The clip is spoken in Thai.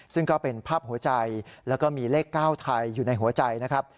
ซึ่งก็เป็นภาพหัวใจแล้วก็มีเลข๙ไทยอยู่ในหัวใจนะครับ